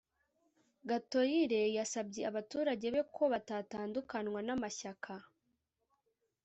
gatoyire yasabye abaturage be ko batatandukanywa n amashyaka